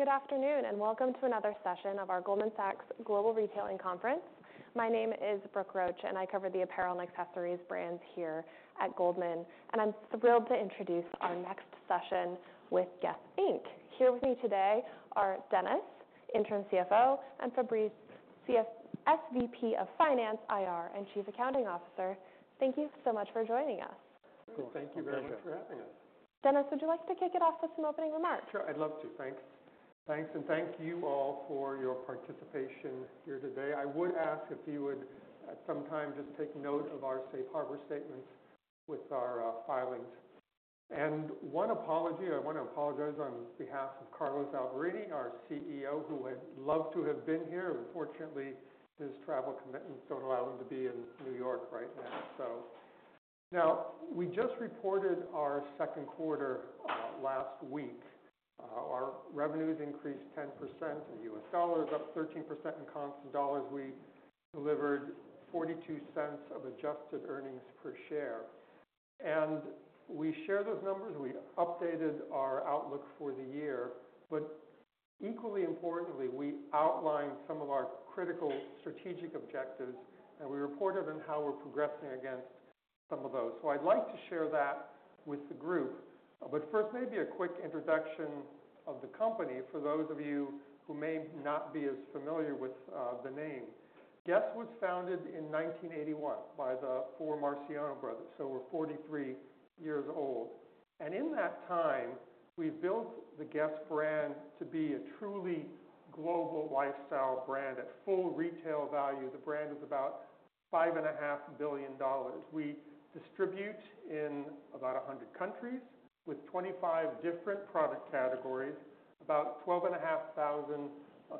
Good afternoon, and welcome to another session of our Goldman Sachs Global Retailing Conference. My name is Brooke Roach, and I cover the apparel and accessories brands here at Goldman, and I'm thrilled to introduce our next session with Guess? Inc. Here with me today are Dennis, Interim CFO, and Fabrice, SVP of Finance, IR, and Chief Accounting Officer. Thank you so much for joining us. Thank you very much for having us. Dennis, would you like to kick it off with some opening remarks? Sure, I'd love to. Thanks. Thanks, and thank you all for your participation here today. I would ask if you would, at some time, just take note of our safe harbor statement with our filings, and one apology, I want to apologize on behalf of Carlos Alberini, our CEO, who would love to have been here. Unfortunately, his travel commitments don't allow him to be in New York right now, so. Now, we just reported our second quarter last week. Our revenues increased 10% in US dollars, up 13% in constant dollars. We delivered $0.42 of adjusted earnings per share, and we share those numbers. We updated our outlook for the year, but equally importantly, we outlined some of our critical strategic objectives, and we reported on how we're progressing against some of those, so I'd like to share that with the group. But first, maybe a quick introduction of the company for those of you who may not be as familiar with the name. Guess was founded in 1981 by the four Marciano brothers, so we're 43-years old. And in that time, we've built the Guess brand to be a truly global lifestyle brand. At full retail value, the brand is about $5.5 billion. We distribute in about 100 countries, with 25 different product categories, about 12,500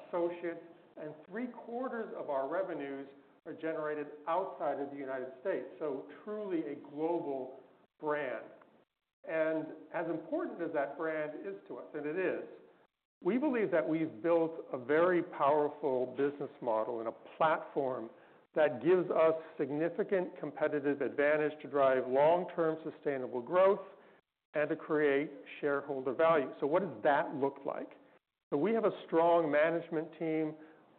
associates, and 75% of our revenues are generated outside of the United States. So truly a global brand. And as important as that brand is to us, and it is, we believe that we've built a very powerful business model and a platform that gives us significant competitive advantage to drive long-term sustainable growth and to create shareholder value. So what does that look like? So we have a strong management team,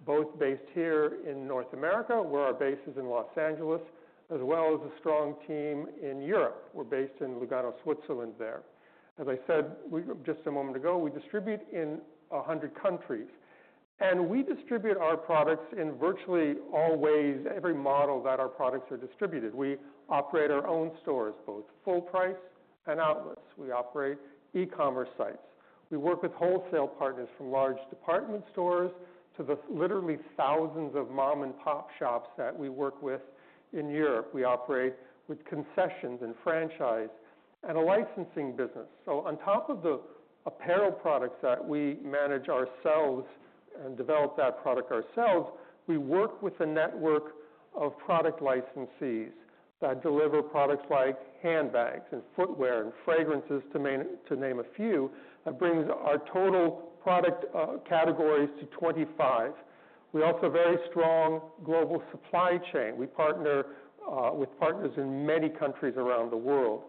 both based here in North America, where our base is in Los Angeles, as well as a strong team in Europe. We're based in Lugano, Switzerland there. As I said, just a moment ago, we distribute in a hundred countries, and we distribute our products in virtually all ways, every model that our products are distributed. We operate our own stores, both full price and outlets. We operate e-commerce sites. We work with wholesale partners, from large department stores to the literally thousands of mom-and-pop shops that we work with in Europe. We operate with concessions, and franchise, and a licensing business. On top of the apparel products that we manage ourselves and develop that product ourselves, we work with a network of product licensees that deliver products like handbags, and footwear, and fragrances, to name a few, that brings our total product categories to 25. We're also a very strong global supply chain. We partner with partners in many countries around the world,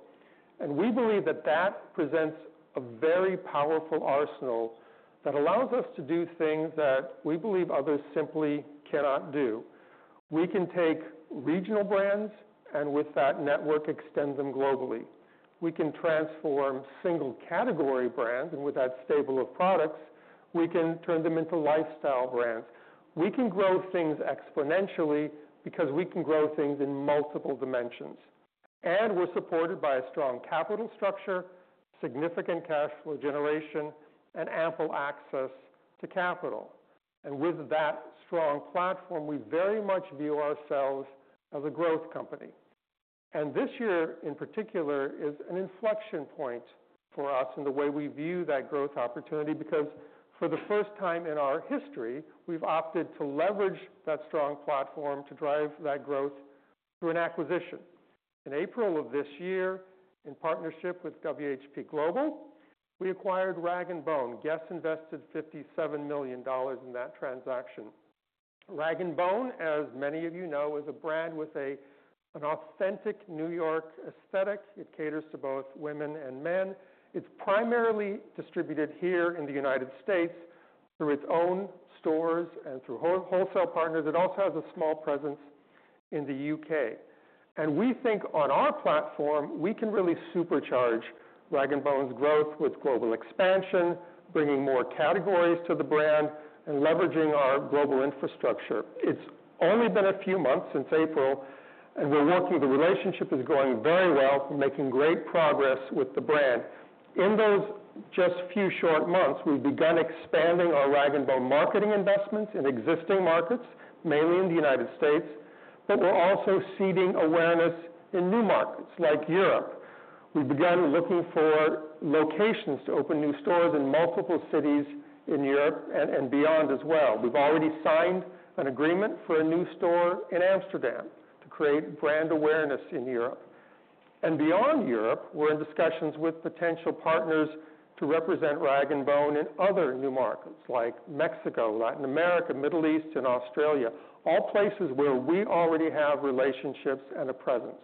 and we believe that that presents a very powerful arsenal that allows us to do things that we believe others simply cannot do. We can take regional brands, and with that network, extend them globally. We can transform single category brands, and with that stable of products, we can turn them into lifestyle brands. We can grow things exponentially because we can grow things in multiple dimensions. We're supported by a strong capital structure, significant cash flow generation, and ample access to capital. With that strong platform, we very much view ourselves as a growth company. This year, in particular, is an inflection point for us in the way we view that growth opportunity, because for the first time in our history, we've opted to leverage that strong platform to drive that growth through an acquisition. In April of this year, in partnership with WHP Global, we acquired Rag & Bone. Guess invested $57 million in that transaction. Rag & Bone, as many of you know, is a brand with an authentic New York aesthetic. It caters to both women and men. It's primarily distributed here in the United States, through its own stores and through wholesale partners. It also has a small presence in the U.K. We think on our platform, we can really supercharge Rag & Bone's growth with global expansion, bringing more categories to the brand, and leveraging our global infrastructure. It's only been a few months since April, and we're working. The relationship is going very well. We're making great progress with the brand. In those just few short months, we've begun expanding our Rag & Bone marketing investments in existing markets, mainly in the United States, but we're also seeding awareness in new markets like Europe. We've begun looking for locations to open new stores in multiple cities in Europe and beyond as well. We've already signed an agreement for a new store in Amsterdam to create brand awareness in Europe. And beyond Europe, we're in discussions with potential partners to represent Rag & Bone in other new markets like Mexico, Latin America, Middle East, and Australia, all places where we already have relationships and a presence.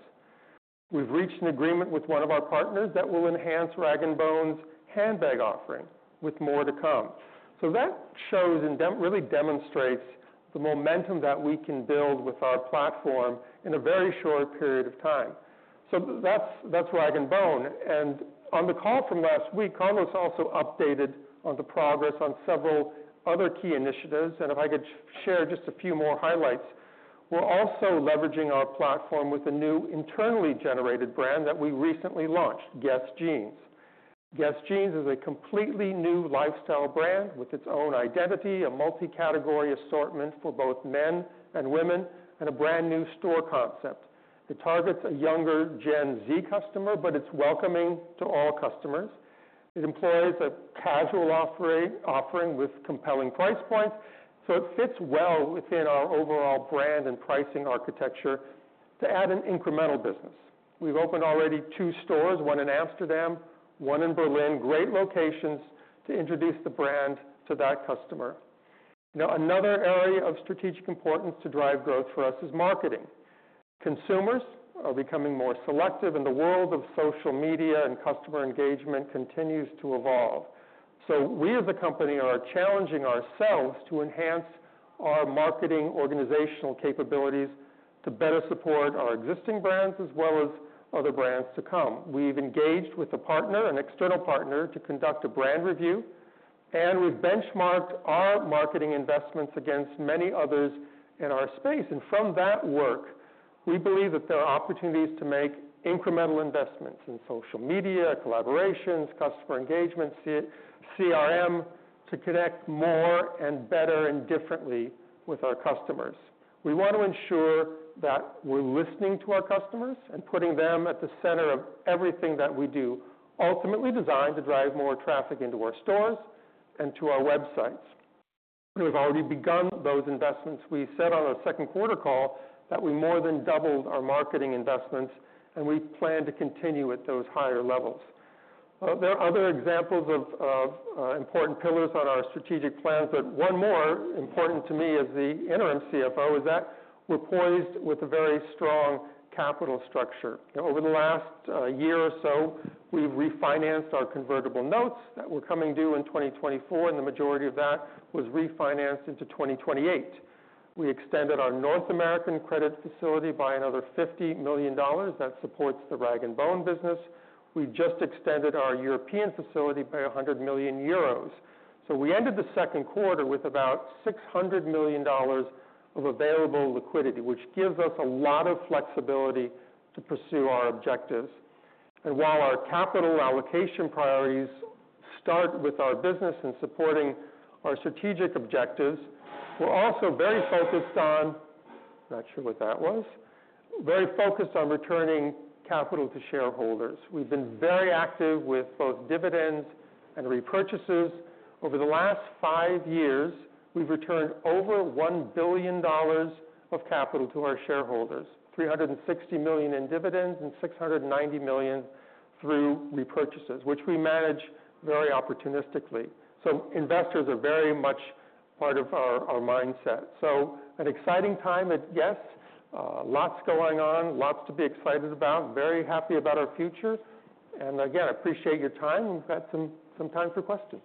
We've reached an agreement with one of our partners that will enhance Rag & Bone's handbag offering, with more to come. So that shows and really demonstrates the momentum that we can build with our platform in a very short period of time. So that's, that's Rag & Bone. And on the call from last week, Carlos also updated on the progress on several other key initiatives, and if I could share just a few more highlights. We're also leveraging our platform with a new internally generated brand that we recently launched, Guess Jeans. Guess Jeans is a completely new lifestyle brand with its own identity, a multi-category assortment for both men and women, and a brand new store concept. It targets a younger Gen Z customer, but it's welcoming to all customers. It employs a casual offering with compelling price points, so it fits well within our overall brand and pricing architecture to add an incremental business. We've opened already two stores, one in Amsterdam, one in Berlin, great locations to introduce the brand to that customer. Now, another area of strategic importance to drive growth for us is marketing. Consumers are becoming more selective, and the world of social media and customer engagement continues to evolve. So we, as a company, are challenging ourselves to enhance our marketing organizational capabilities to better support our existing brands as well as other brands to come. We've engaged with a partner, an external partner, to conduct a brand review, and we've benchmarked our marketing investments against many others in our space. And from that work, we believe that there are opportunities to make incremental investments in social media, collaborations, customer engagement, CRM to connect more and better and differently with our customers. We want to ensure that we're listening to our customers and putting them at the center of everything that we do, ultimately designed to drive more traffic into our stores and to our websites. We've already begun those investments. We said on our second quarter call that we more than doubled our marketing investments, and we plan to continue at those higher levels. There are other examples of important pillars on our strategic plan, but one more important to me as the interim CFO, is that we're poised with a very strong capital structure. Over the last year or so, we've refinanced our convertible notes that were coming due in 2024, and the majority of that was refinanced into 2028. We extended our North American credit facility by another $50 million, that supports the Rag & Bone business. We just extended our European facility by 100 million euros. So we ended the second quarter with about $600 million of available liquidity, which gives us a lot of flexibility to pursue our objectives. And while our capital allocation priorities start with our business and supporting our strategic objectives, we're also very focused on... Very focused on returning capital to shareholders. We've been very active with both dividends and repurchases. Over the last five years, we've returned over $1 billion of capital to our shareholders, $360 million in dividends and $690 million through repurchases, which we manage very opportunistically. So investors are very much part of our mindset. So an exciting time at Guess. Lots going on, lots to be excited about, very happy about our future. And again, I appreciate your time, and we've got some time for questions.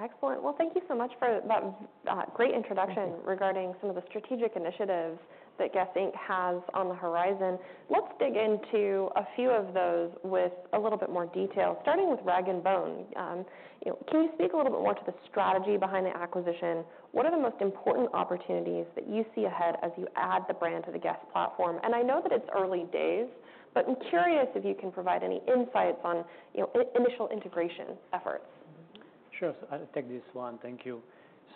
Excellent. Well, thank you so much for that, great introduction regarding some of the strategic initiatives that Guess? Inc. has on the horizon. Let's dig into a few of those with a little bit more detail, starting with Rag & Bone. You know, can you speak a little bit more to the strategy behind the acquisition? What are the most important opportunities that you see ahead as you add the brand to the Guess platform? And I know that it's early days, but I'm curious if you can provide any insights on, you know, initial integration efforts. Sure. So I'll take this one. Thank you.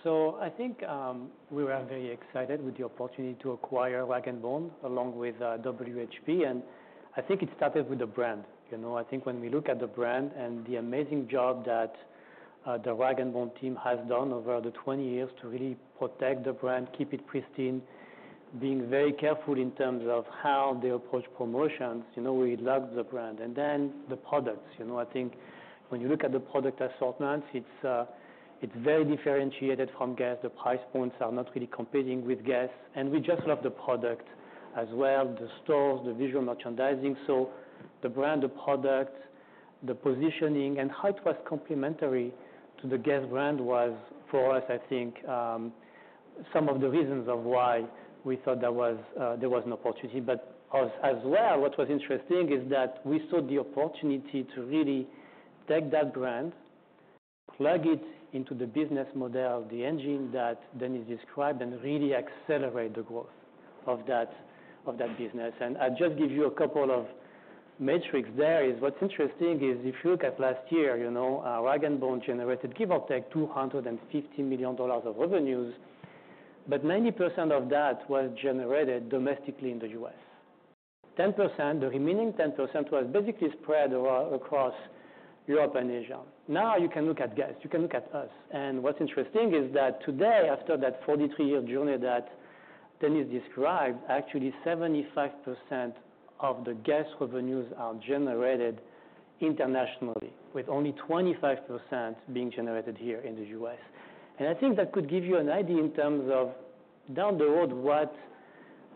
So I think we were very excited with the opportunity to acquire Rag & Bone, along with WHP, and I think it started with the brand. You know, I think when we look at the brand and the amazing job that the Rag & Bone team has done over the 20-years to really protect the brand, keep it pristine, being very careful in terms of how they approach promotions, you know, we loved the brand. And then the products, you know, I think when you look at the product assortment, it's very differentiated from Guess. The price points are not really competing with Guess, and we just love the product as well, the stores, the visual merchandising. The brand, the product, the positioning, and how it was complementary to the Guess brand was, for us, I think, some of the reasons of why we thought there was an opportunity. But as well, what was interesting is that we saw the opportunity to really take that brand, plug it into the business model, the engine that Dennis described, and really accelerate the growth of that business. And I'll just give you a couple of metrics. There, what's interesting is if you look at last year, you know, Rag & Bone generated, give or take, $250 million of revenues, but 90% of that was generated domestically in the U.S. 10%, the remaining 10% was basically spread across Europe and Asia. Now, you can look at Guess?, you can look at us, and what's interesting is that today, after that 43-year journey that Dennis described, actually 75% of the Guess revenues are generated internationally, with only 25% being generated here in the U.S., and I think that could give you an idea in terms of down the road, what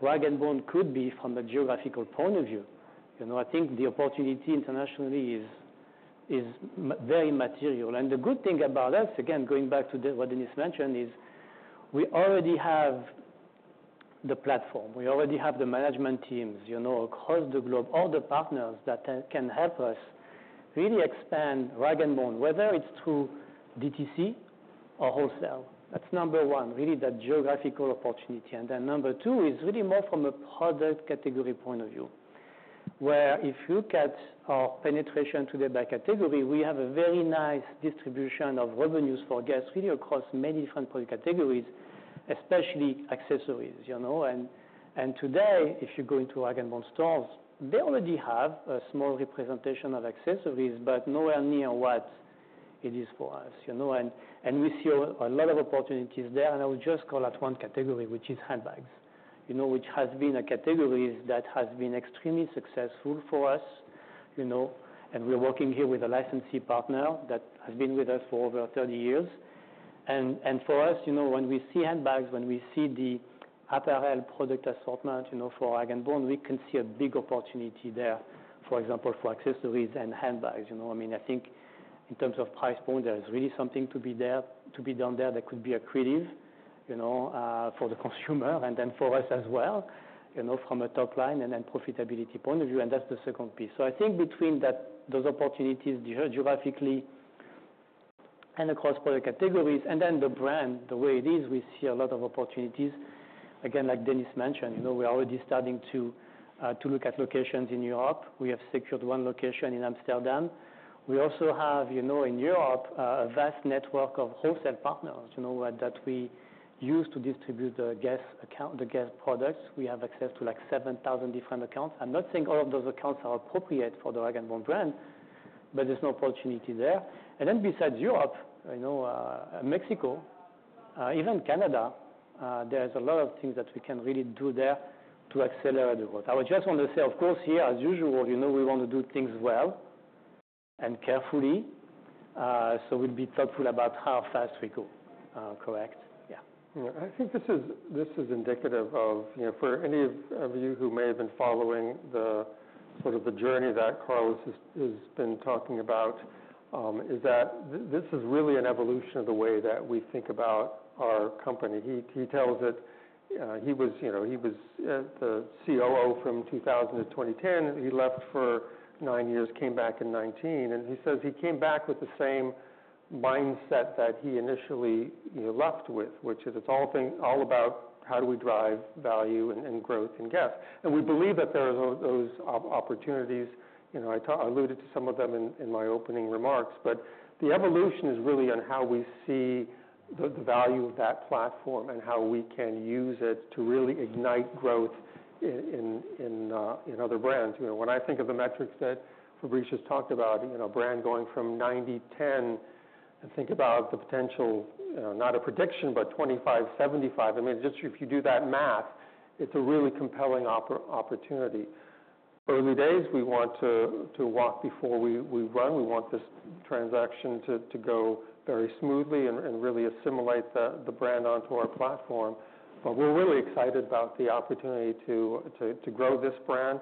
Rag & Bone could be from a geographical point of view. You know, I think the opportunity internationally is very material, and the good thing about us, again, going back to the, what Dennis mentioned, is we already have the platform. We already have the management teams, you know, across the globe, all the partners that can help us really expand Rag & Bone, whether it's through DTC or wholesale. That's number one, really, that geographical opportunity. And then number two is really more from a product category point of view, where if you look at our penetration today by category, we have a very nice distribution of revenues for Guess, really across many different product categories, especially accessories, you know. And today, if you go into Rag & Bone stores, they already have a small representation of accessories, but nowhere near what it is for us, you know? And we see a lot of opportunities there, and I would just call out one category, which is handbags, you know, which has been a category that has been extremely successful for us, you know, and we're working here with a licensee partner that has been with us for over 30-years. And for us, you know, when we see handbags, when we see the apparel product assortment, you know, for Rag & Bone, we can see a big opportunity there, for example, for accessories and handbags. You know, I mean, I think in terms of price point, there is really something to be there, to be done there that could be accretive, you know, for the consumer and then for us as well, you know, from a top line and then profitability point of view, and that's the second piece. So I think between that, those opportunities, geographically and across product categories and then the brand, the way it is, we see a lot of opportunities. Again, like Dennis mentioned, you know, we're already starting to look at locations in Europe. We have secured one location in Amsterdam. We also have, you know, in Europe, a vast network of wholesale partners, you know, that we use to distribute the Guess account, the Guess products. We have access to, like, seven thousand different accounts. I'm not saying all of those accounts are appropriate for the Rag & Bone brand, but there's no opportunity there. And then besides Europe, I know, Mexico, even Canada, there is a lot of things that we can really do there to accelerate the growth. I would just want to say, of course, here, as usual, you know, we want to do things well and carefully, so we'll be thoughtful about how fast we go. Correct? Yeah. Yeah, I think this is indicative of, you know, for any of you who may have been following the sort of the journey that Carlos has been talking about. This is really an evolution of the way that we think about our company. He tells it. He was, you know, he was the COO from 2000 to 2010. He left for nine years, came back in 2019, and he says he came back with the same mindset that he initially, you know, left with, which is it's all about how do we drive value and growth in Guess. And we believe that there are those opportunities, you know. I alluded to some of them in my opening remarks, but the evolution is really on how we see the value of that platform and how we can use it to really ignite growth in other brands. You know, when I think of the metrics that Fabrice talked about, you know, brand going from 90/10, I think about the potential, not a prediction, but 25/75. I mean, just if you do that math, it's a really compelling opportunity. Early days, we want to walk before we run. We want this transaction to go very smoothly and really assimilate the brand onto our platform. But we're really excited about the opportunity to grow this brand,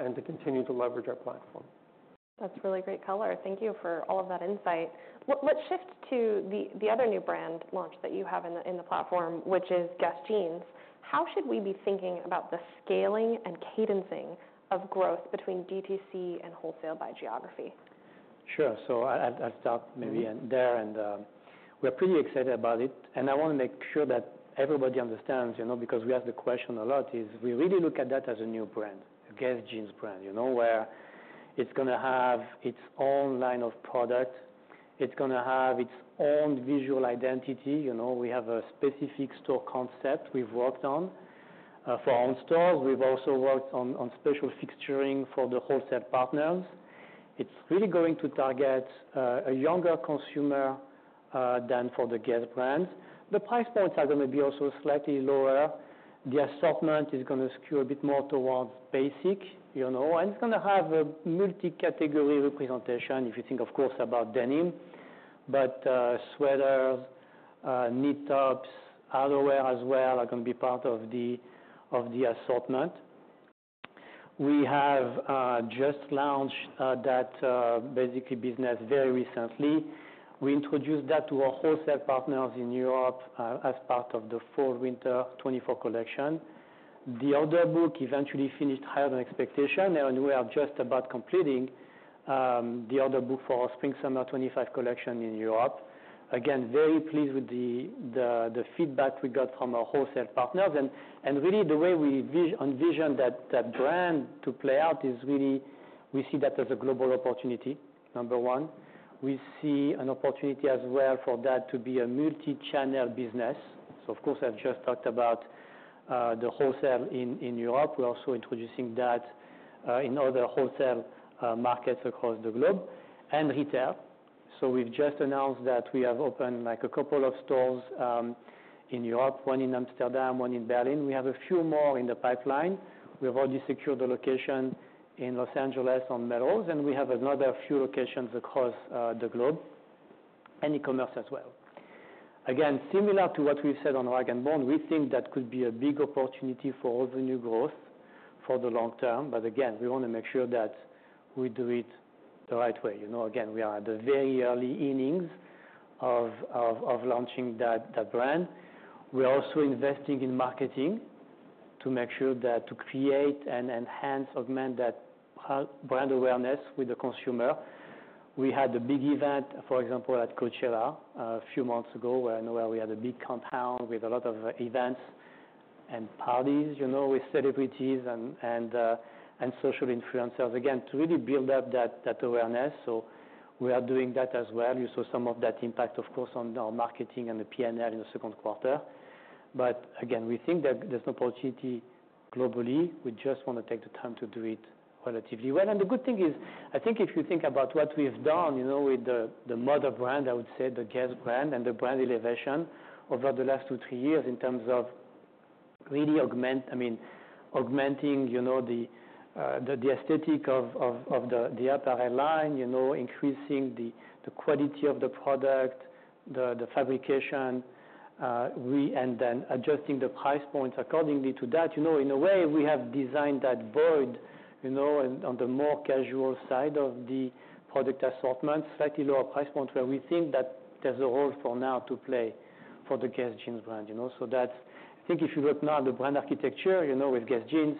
and to continue to leverage our platform. That's really great color. Thank you for all of that insight. Let's shift to the other new brand launch that you have in the platform, which is Guess Jeans. How should we be thinking about the scaling and cadencing of growth between DTC and wholesale by geography? Sure. So I'll start maybe, and we're pretty excited about it, and I want to make sure that everybody understands, you know, because we ask the question a lot, is we really look at that as a new brand, a Guess Jeans brand, you know, where it's gonna have its own line of product. It's gonna have its own visual identity. You know, we have a specific store concept we've worked on for our own stores. We've also worked on special fixturing for the wholesale partners. It's really going to target a younger consumer than for the Guess brands. The price points are gonna be also slightly lower. The assortment is gonna skew a bit more towards basic, you know, and it's gonna have a multi-category representation, if you think, of course, about denim, but sweaters, knit tops, outerwear as well, are gonna be part of the assortment. We have just launched that basic business very recently. We introduced that to our wholesale partners in Europe as part of the Fall/Winter 2024 collection. The order book eventually finished higher than expectation, and we are just about completing the order book for our Spring/Summer 2025 collection in Europe. Again, very pleased with the feedback we got from our wholesale partners, and really the way we envision that brand to play out is really, we see that as a global opportunity, number one. We see an opportunity as well for that to be a multi-channel business. So of course, I've just talked about the wholesale in Europe. We're also introducing that in other wholesale markets across the globe and retail. So we've just announced that we have opened, like, a couple of stores in Europe, one in Amsterdam, one in Berlin. We have a few more in the pipeline. We have already secured a location in Los Angeles, on Melrose, and we have another few locations across the globe, and e-commerce as well. Again, similar to what we've said on Rag & Bone, we think that could be a big opportunity for all the new growth for the long term. But again, we want to make sure that we do it the right way. You know, again, we are at the very early innings of launching that brand. We are also investing in marketing to make sure that to create and enhance, augment that brand awareness with the consumer. We had a big event, for example, at Coachella, a few months ago, where I know we had a big compound with a lot of events and parties, you know, with celebrities and social influencers, again, to really build up that awareness. So we are doing that as well. You saw some of that impact, of course, on our marketing and the P&L in the second quarter. But again, we think that there's an opportunity globally. We just want to take the time to do it relatively well. And the good thing is, I think if you think about what we've done, you know, with the mother brand, I would say the Guess brand and the brand elevation over the last two, three years, in terms of really augmenting, you know, the aesthetic of the apparel line, you know, increasing the quality of the product, the fabrication. And then adjusting the price point accordingly to that. You know, in a way, we have designed that void, you know, on the more casual side of the product assortment, slightly lower price point, where we think that there's a role for now to play for the Guess Jeans brand, you know? So that... I think if you look now at the brand architecture, you know, with Guess Jeans,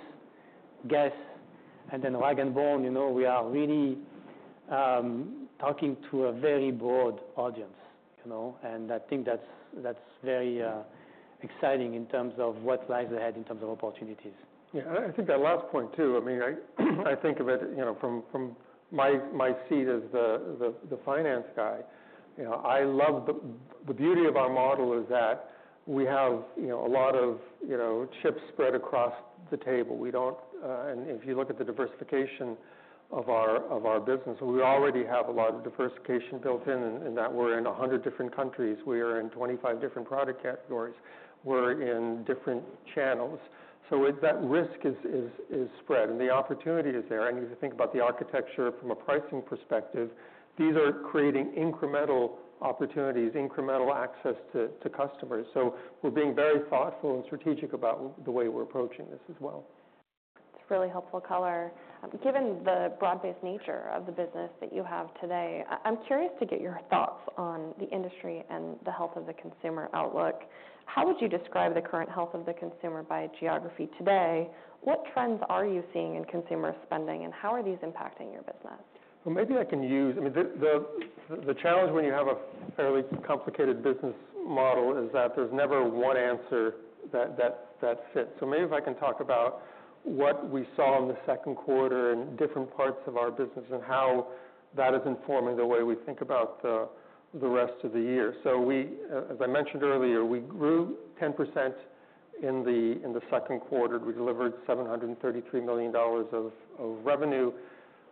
Guess, and then Rag & Bone, you know, we are really talking to a very broad audience, you know, and I think that's very exciting in terms of what lies ahead in terms of opportunities. Yeah, I think that last point, too. I mean, I think of it, you know, from my seat as the finance guy. You know, I love the beauty of our model is that we have, you know, a lot of, you know, chips spread across the table. We don't. And if you look at the diversification of our business, we already have a lot of diversification built in, in that we're in 100 different countries. We are in 25 different product categories. We're in different channels. So with that risk is spread, and the opportunity is there. And if you think about the architecture from a pricing perspective, these are creating incremental opportunities, incremental access to customers. So we're being very thoughtful and strategic about the way we're approaching this as well. It's really helpful color. Given the broad-based nature of the business that you have today, I'm curious to get your thoughts on the industry and the health of the consumer outlook. How would you describe the current health of the consumer by geography today? What trends are you seeing in consumer spending, and how are these impacting your business? Maybe I can use. I mean, the challenge when you have a fairly complicated business model is that there's never one answer that fits. So maybe if I can talk about what we saw in the second quarter in different parts of our business and how that is informing the way we think about the rest of the year. As I mentioned earlier, we grew 10% in the second quarter. We delivered $733 million of revenue.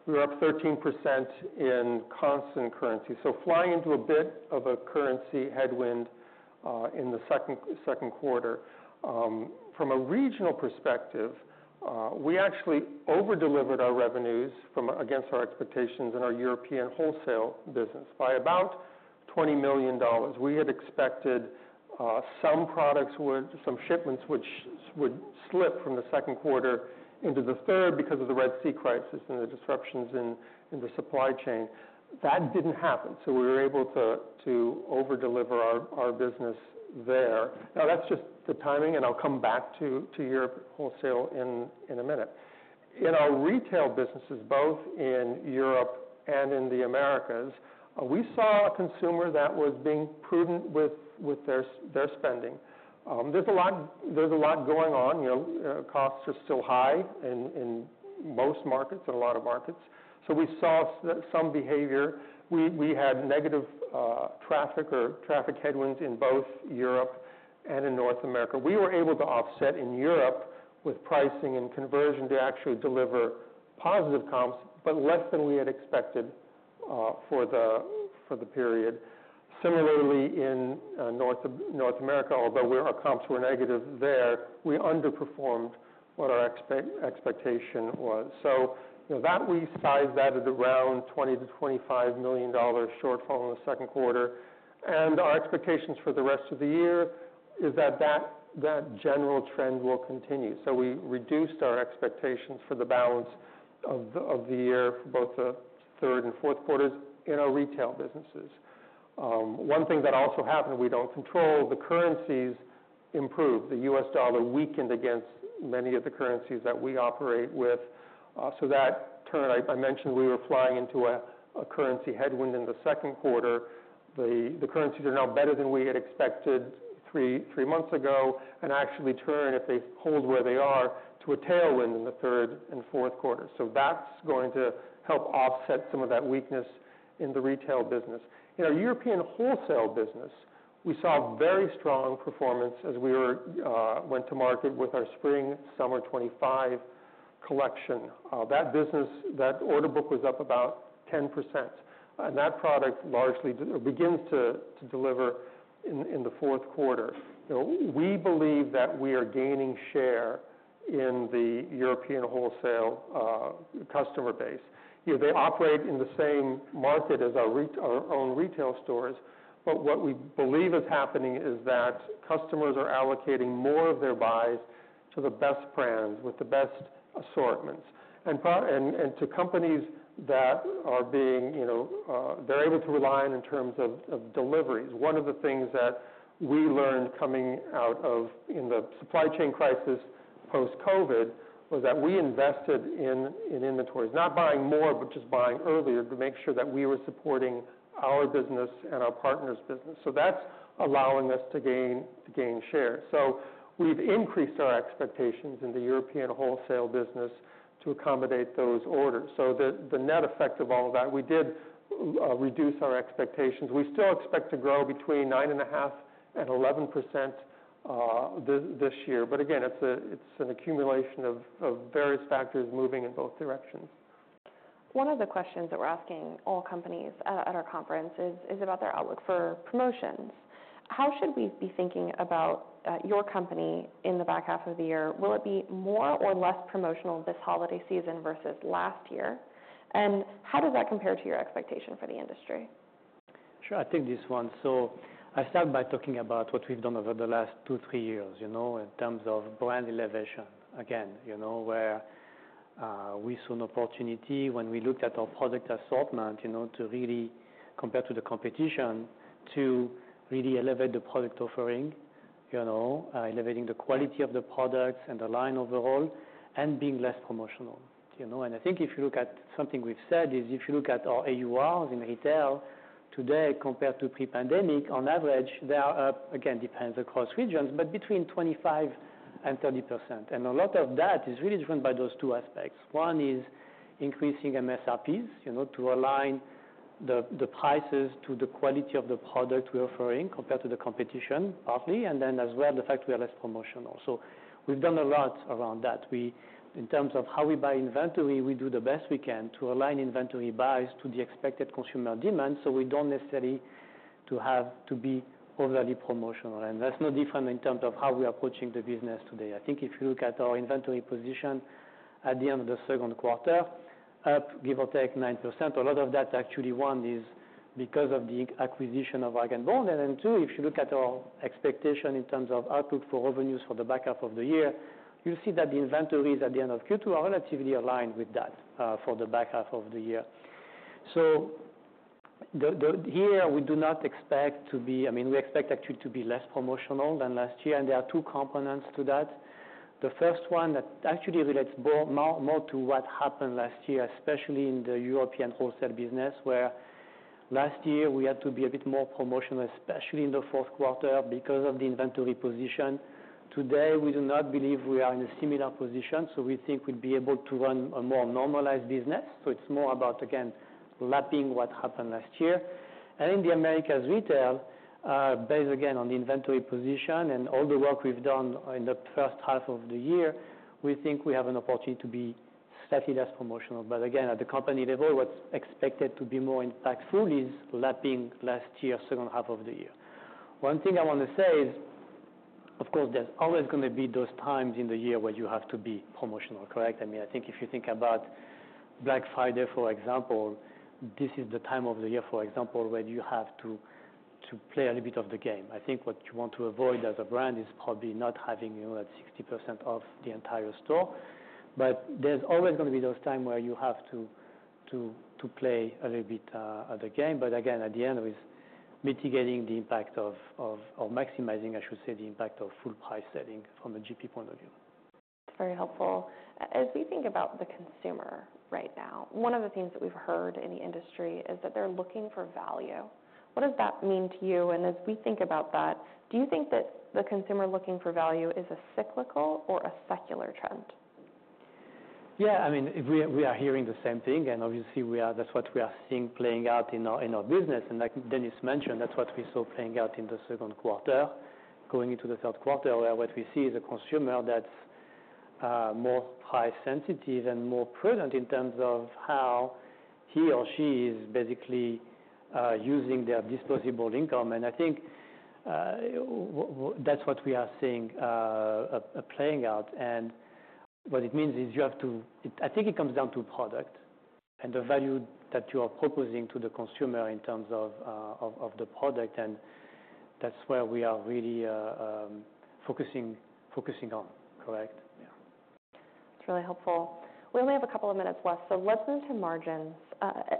We were up 13% in constant currency. Flying into a bit of a currency headwind in the second quarter. From a regional perspective, we actually over-delivered our revenues against our expectations in our European wholesale business by about $20 million. We had expected some products would... Some shipments, which would slip from the second quarter into the third because of the Red Sea crisis and the disruptions in the supply chain. That didn't happen, so we were able to over-deliver our business there. Now, that's just the timing, and I'll come back to your wholesale in a minute. In our retail businesses, both in Europe and in the Americas, we saw a consumer that was being prudent with their spending. There's a lot going on. You know, costs are still high in most markets, so we saw some behavior. We had negative traffic headwinds in both Europe and in North America. We were able to offset in Europe with pricing and conversion to actually deliver positive comps, but less than we had expected for the period. Similarly, in North America, although where our comps were negative there, we underperformed what our expectation was. So, that we sized that at around $20 million-$25 million shortfall in the second quarter. Our expectations for the rest of the year is that that general trend will continue. We reduced our expectations for the balance of the year for both the third and fourth quarters in our retail businesses. One thing that also happened, we don't control, the currencies improved. The U.S. dollar weakened against many of the currencies that we operate with. So that turn, I mentioned we were flying into a currency headwind in the second quarter. The currencies are now better than we had expected three months ago, and actually turn, if they hold where they are, to a tailwind in the third and fourth quarters. So that's going to help offset some of that weakness in the retail business. In our European wholesale business, we saw very strong performance as we went to market with our Spring/Summer 2025 collection. That business, that order book was up about 10%, and that product largely begins to deliver in the fourth quarter. You know, we believe that we are gaining share in the European wholesale customer base. You know, they operate in the same market as our own retail stores, but what we believe is happening is that customers are allocating more of their buys to the best brands, with the best assortments and to companies that are being, you know, they're able to rely on in terms of deliveries. One of the things that we learned coming out of the supply chain crisis, post-COVID, was that we invested in inventories. Not buying more, but just buying earlier, to make sure that we were supporting our business and our partners' business. So that's allowing us to gain share. So we've increased our expectations in the European wholesale business to accommodate those orders. So the net effect of all of that, we did reduce our expectations. We still expect to grow between 9.5% and 11% this year. But again, it's an accumulation of various factors moving in both directions. One of the questions that we're asking all companies at our conference is about their outlook for promotions. How should we be thinking about your company in the back half of the year? Will it be more or less promotional this holiday season versus last year? And how does that compare to your expectation for the industry? Sure, I'll take this one. So I'll start by talking about what we've done over the last two, three years, you know, in terms of brand elevation. Again, you know, where we saw an opportunity when we looked at our product assortment, you know, to really compare to the competition, to really elevate the product offering, you know? Elevating the quality of the products and the line overall, and being less promotional, you know? And I think if you look at something we've said, is, if you look at our AUR in retail today compared to pre-pandemic, on average, they are up, again, depends across regions, but between 25% and 30%. And a lot of that is really driven by those two aspects. One is increasing MSRPs, you know, to align the prices to the quality of the product we're offering, compared to the competition, partly, and then as well, the fact we are less promotional. So we've done a lot around that. We. In terms of how we buy inventory, we do the best we can to align inventory buys to the expected consumer demand, so we don't necessarily to have to be overly promotional. And that's no different in terms of how we are approaching the business today. I think if you look at our inventory position at the end of the second quarter, up, give or take, 9%. A lot of that's actually, one, is because of the acquisition of Rag & Bone. And then two, if you look at our expectation in terms of outlook for revenues for the back half of the year, you'll see that the inventories at the end of Q2 are relatively aligned with that for the back half of the year. So, we do not expect to be... I mean, we expect actually to be less promotional than last year, and there are two components to that. The first one, that actually relates more to what happened last year, especially in the European wholesale business, where last year we had to be a bit more promotional, especially in the fourth quarter, because of the inventory position. Today, we do not believe we are in a similar position, so we think we'll be able to run a more normalized business. So it's more about, again, lapping what happened last year. And in the Americas retail, based again on the inventory position and all the work we've done in the first half of the year, we think we have an opportunity to be slightly less promotional. But again, at the company level, what's expected to be more impactful is lapping last year, second half of the year. One thing I want to say is, of course, there's always gonna be those times in the year where you have to be promotional, correct? I mean, I think if you think about Black Friday, for example, this is the time of the year, for example, when you have to to play a little bit of the game. I think what you want to avoid as a brand is probably not having, you know, at 60% off the entire store. But there's always gonna be those time where you have to play a little bit of the game. But again, at the end, it is mitigating the impact of maximizing, I should say, the impact of full price setting from a GP point of view. Very helpful. As we think about the consumer right now, one of the things that we've heard in the industry is that they're looking for value. What does that mean to you? And as we think about that, do you think that the consumer looking for value is a cyclical or a secular trend? Yeah, I mean, we are hearing the same thing, and obviously, we are-- that's what we are seeing playing out in our business. And like Dennis mentioned, that's what we saw playing out in the second quarter. Going into the third quarter, where what we see is a consumer that's more price sensitive and more prudent in terms of how he or she is basically using their disposable income. And I think that's what we are seeing playing out. And what it means is you have to. I think it comes down to product and the value that you are proposing to the consumer in terms of the product, and that's where we are really focusing on. Correct? Yeah. It's really helpful. We only have a couple of minutes left, so let's move to margins.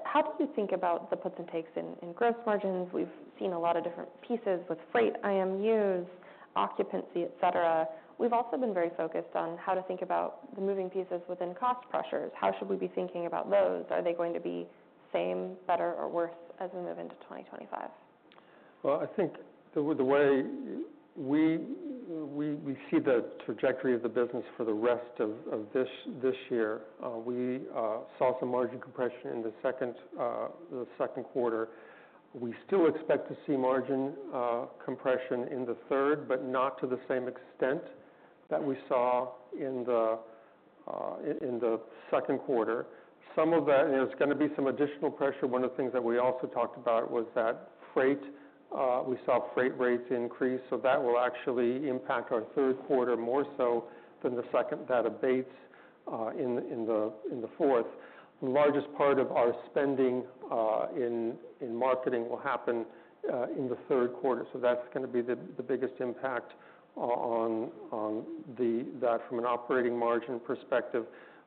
How do you think about the puts and takes in gross margins? We've seen a lot of different pieces with freight, IMUs, occupancy, et cetera. We've also been very focused on how to think about the moving pieces within cost pressures. How should we be thinking about those? Are they going to be same, better or worse as we move into 2025? Well, I think the way we see the trajectory of the business for the rest of this year, we saw some margin compression in the second quarter. We still expect to see margin compression in the third, but not to the same extent that we saw in the second quarter. Some of that, there's gonna be some additional pressure. One of the things that we also talked about was that freight, we saw freight rates increase, so that will actually impact our third quarter more so than the second that abates in the fourth. The largest part of our spending in marketing will happen in the third quarter. So that's gonna be the biggest impact on that from an operating margin perspective.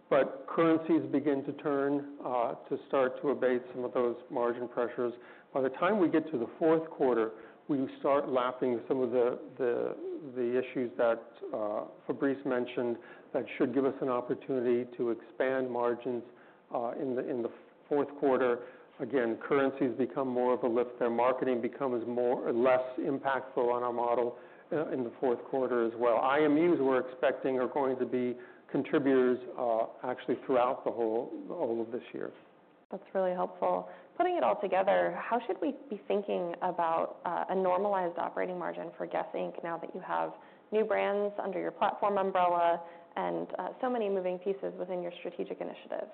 But currencies begin to turn to start to abate some of those margin pressures. By the time we get to the fourth quarter, we start lapping some of the issues that Fabrice mentioned. That should give us an opportunity to expand margins in the fourth quarter. Again, currencies become more of a lift, their marketing becomes more- less impactful on our model in the fourth quarter as well. IMUs, we're expecting, are going to be contributors actually throughout the whole of this year. That's really helpful. Putting it all together, how should we be thinking about a normalized operating margin for Guess? Inc., now that you have new brands under your platform umbrella and so many moving pieces within your strategic initiatives?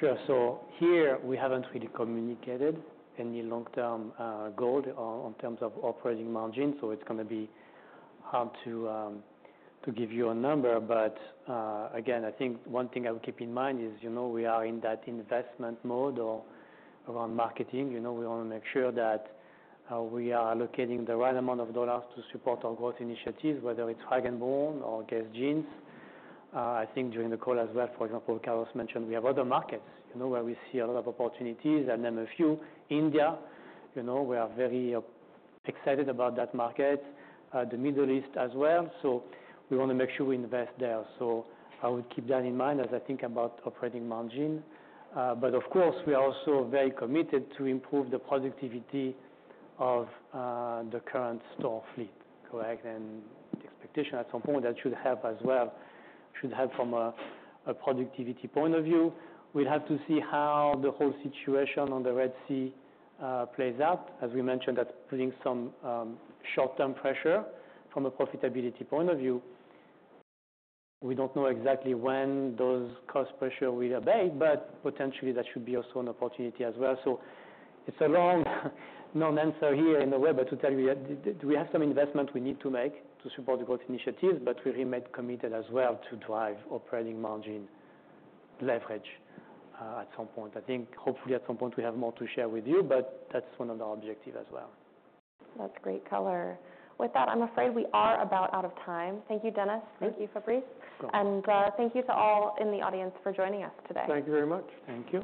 Sure. So here, we haven't really communicated any long-term goal on terms of operating margin, so it's gonna be hard to give you a number. But, again, I think one thing I would keep in mind is, you know, we are in that investment mode or around marketing. You know, we wanna make sure that we are allocating the right amount of dollars to support our growth initiatives, whether it's Rag & Bone or Guess Jeans. I think during the call as well, for example, Carlos mentioned we have other markets, you know, where we see a lot of opportunities, and I mean, a few. India, you know, we are very excited about that market, the Middle East as well. So we wanna make sure we invest there. So I would keep that in mind as I think about operating margin. But of course, we are also very committed to improve the productivity of the current store fleet, correct, and the expectation at some point, that should help as well, should help from a productivity point of view. We'll have to see how the whole situation on the Red Sea plays out. As we mentioned, that's putting some short-term pressure from a profitability point of view. We don't know exactly when those cost pressure will abate, but potentially that should be also an opportunity as well. So it's a long, non-answer here in a way, but to tell you, we have some investment we need to make to support the growth initiatives, but we remain committed as well to drive operating margin leverage at some point. I think hopefully, at some point we have more to share with you, but that's one of our objective as well. That's great color. With that, I'm afraid we are about out of time. Thank you, Dennis. Thank you, Fabrice. Thank you to all in the audience for joining us today. Thank you very much. Thank you.